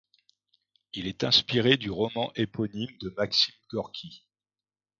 Il est inspiré du roman éponyme de Maxime Gorki.